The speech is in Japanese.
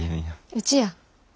うちや。